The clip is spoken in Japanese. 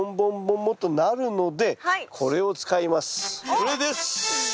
これです！